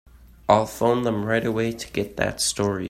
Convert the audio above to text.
I'll phone them right away to get that story.